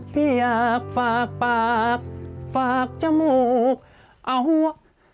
พี่อยากฝากปากฝากจมูกเอาหัว